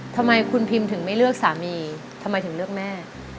ทำไมคุณพิมถึงไม่เลือกสามีทำไมถึงเลือกแม่